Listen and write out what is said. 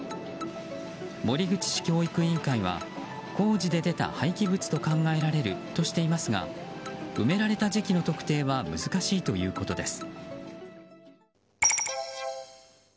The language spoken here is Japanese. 守口市教育委員会は工事で出た廃棄物と考えられるとしていますが埋められた時期の特定は難しいということです。